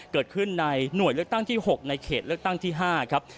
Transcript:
เกิดขึ้นในหน่วยเลือกตั้งที่๖ในเขตเลือกตั้งที่๕ครับ